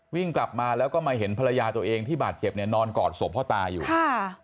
วิ่งกลับมาแล้วก็มาเห็นภรรยาตัวเองที่บาดเจ็บเนี่ยนอนกอดศพพ่อตาอยู่ค่ะ